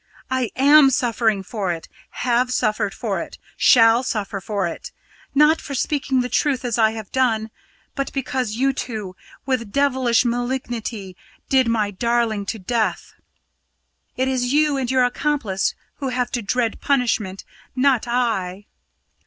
"I am suffering for it have suffered for it shall suffer for it. Not for speaking the truth as I have done, but because you two, with devilish malignity, did my darling to death. It is you and your accomplice who have to dread punishment, not I."